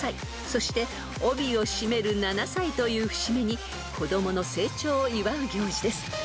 ［そして帯を締める７歳という節目に子供の成長を祝う行事です］